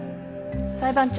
裁判長。